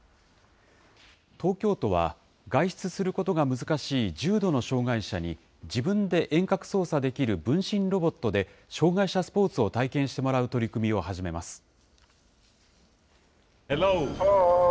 東京都は、外出することが難しい重度の障害者に自分で遠隔操作できる分身ロボットで障害者スポーツを体験してもらう取り組みを始めます。